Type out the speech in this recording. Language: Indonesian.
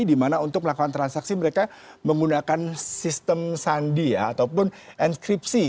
dimana untuk melakukan transaksi mereka menggunakan sistem sandi ya ataupun enskripsi